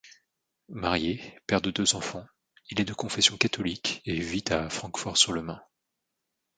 Marié, père de deux enfants, il est de confession catholique et vit à Francfort-sur-le-Main.